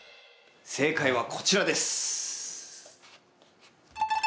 正解はこちらです！